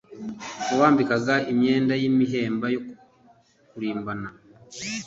Wabambikaga imyenda y’imihemba yo kurimbana